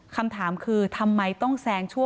คำถามคือทำไมต้องแซงชั่ว